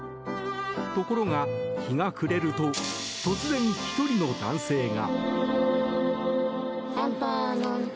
ところが、日が暮れると突然１人の男性が。